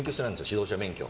指導者免許。